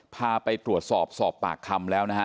พาไปตรวจสอบสอบปากคำแล้วนะฮะ